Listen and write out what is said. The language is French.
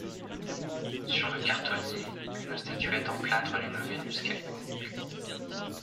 Sur le cartonnier, une statuette en plâtre d’une Vénus quelconque.